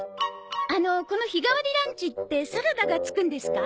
あのこの日替わりランチってサラダがつくんですか？